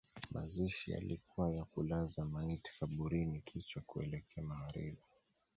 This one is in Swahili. Mazishi yalikuwa ya kulaza maiti kaburini kichwa kuelekea magharibi